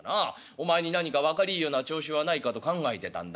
お前に何か分かりいいような調子はないかと考えてたんだが。